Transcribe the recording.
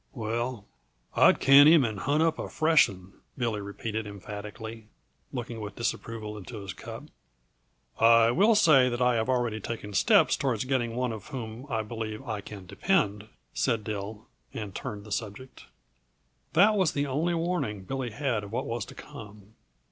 "Well, I'd can him and hunt up a fresh one," Billy repeated emphatically, looking with disapproval into his cup. "I will say that I have already taken steps toward getting one on whom I believe I can depend," said Dill, and turned the subject. That was the only warning Billy had of what was to come.